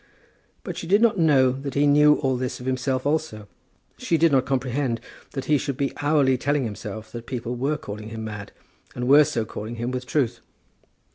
But she did not know that he knew all this of himself also. She did not comprehend that he should be hourly telling himself that people were calling him mad and were so calling him with truth.